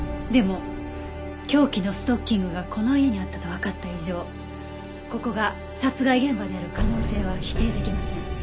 でも凶器のストッキングがこの家にあったとわかった以上ここが殺害現場である可能性は否定できません。